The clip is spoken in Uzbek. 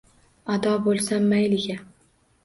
Ado bo’lsam mayliga.